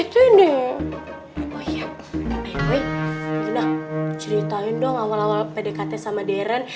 eh oi gina ceritain dong awal awal pdkt sama deren